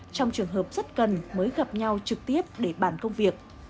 trong trường hợp rất cần mới gặp nhau trực tiếp để bàn công việc